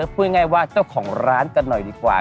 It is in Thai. พูดง่ายว่าเจ้าของร้านกันหน่อยดีกว่า